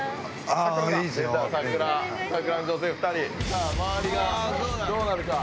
さあ周りがどうなるか。